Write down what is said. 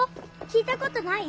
聞いたことない？